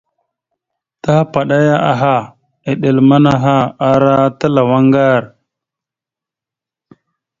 Tahəpaɗaya aha, eɗel manaha ara talaw aŋgar.